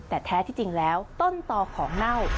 แต่แท้ที่จริงแล้วต้นต่อของเน่า